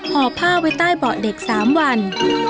ห่อผ้าไว้ใต้เบาะเด็ก๓วัน